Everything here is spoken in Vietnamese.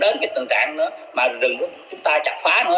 rồi cái việc nguyên nhân mà dẫn đến cái tình trạng mà rừng chúng ta chặt phá nữa